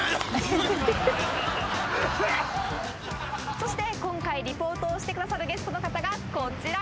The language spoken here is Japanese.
そして今回リポートをしてくださるゲストの方がこちらです。